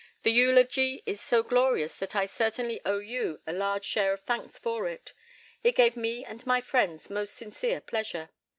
The eulogy is so glorious that I certainly owe you a large share of thanks for it. It gave me and my friends most sincere pleasure.